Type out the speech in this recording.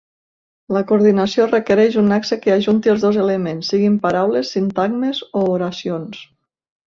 La coordinació requereix un nexe que ajunti els dos elements, siguin paraules, sintagmes o oracions.